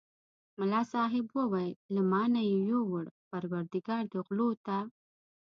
ملا صاحب وویل له ما نه یې یووړ پرودګار دې غلو ته.